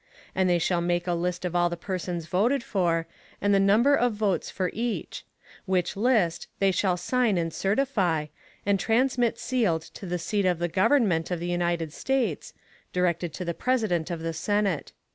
And they shall make a List of all the Persons voted for, and of the Number of Votes for each; which List they shall sign and certify, and transmit sealed to the Seat of the Government of the United States, directed to the President of the Senate.